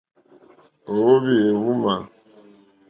Ò óhwī éhwùmà.